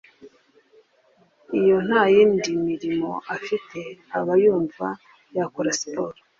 iyo nta yindi mirimo afite aba yumva yakora siporo